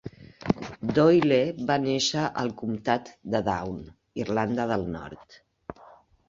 Doyle va néixer al comtat de Down, Irlanda del Nord.